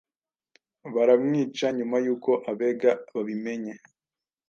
baramwica nyuma y’uko abega babimenye